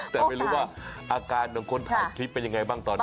แต่ไม่รู้ว่าอาการของคนถ่ายคลิปเป็นยังไงบ้างตอนนั้น